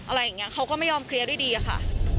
อะไรอย่างนี้เขาก็ไม่ยอมเคลียร์ด้วยดีอะค่ะ